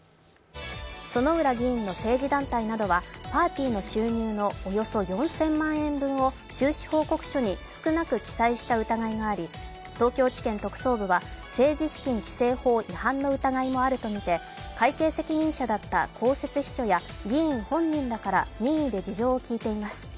薗浦議員の政治団体などはパーティーの収入のおよそ４０００万円分などを収支報告書に少なく記載した報告があり、東京地検特捜部は、政治資金規正法違反の疑いもあるとみて、会計責任者だった公設秘書や議員本人らから任意で事情を聴いています。